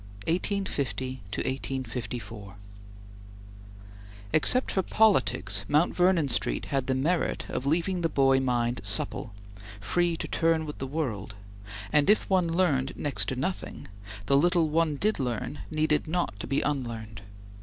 CHAPTER III WASHINGTON (1850 1854) EXCEPT for politics, Mount Vernon Street had the merit of leaving the boy mind supple, free to turn with the world, and if one learned next to nothing, the little one did learn needed not to be unlearned.